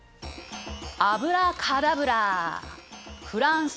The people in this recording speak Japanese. アブラカダブラフランス